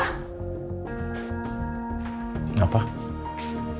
hanya mengambil hukum kekuatan